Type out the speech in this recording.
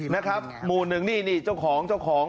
นะครับหมู่หนึ่งนี่นี่เจ้าของเจ้าของ